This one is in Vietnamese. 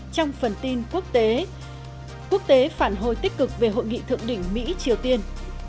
trong phần tin quốc tế quốc tế phản hồi tích cực về hội nghị thượng đỉnh mỹ triều tiên